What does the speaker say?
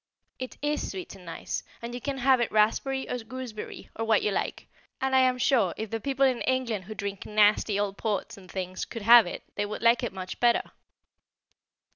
It is sweet and nice, and you can have it raspberry, or gooseberry, or what you like, and I am sure if the people in England who drink nasty old ports and things could have it they would like it much better.